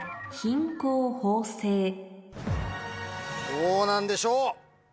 どうなんでしょう？